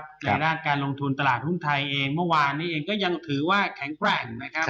ในด้านการลงทุนตลาดหุ้นไทยเองเมื่อวานนี้เองก็ยังถือว่าแข็งแกร่งนะครับ